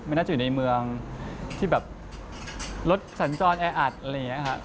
น่าจะอยู่ในเมืองที่แบบรถสัญจรแออัดอะไรอย่างนี้ครับ